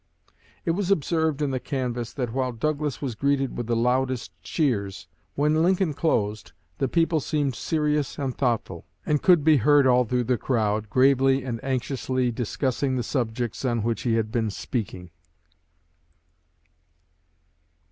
It was observed in the canvass that while Douglas was greeted with the loudest cheers, when Lincoln closed the people seemed serious and thoughtful, and could be heard all through the crowd, gravely and anxiously discussing the subjects on which he had been speaking."